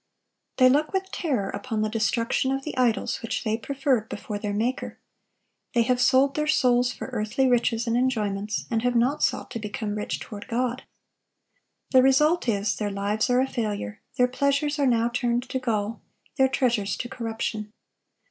They look with terror upon the destruction of the idols which they preferred before their Maker. They have sold their souls for earthly riches and enjoyments, and have not sought to become rich toward God. The result is, their lives are a failure; their pleasures are now turned to gall, their treasures to corruption.